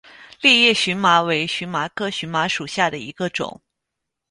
裂叶荨麻为荨麻科荨麻属下的一个种。